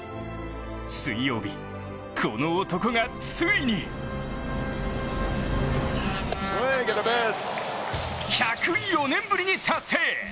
水曜日、この男が、ついに１０４年ぶりに達成。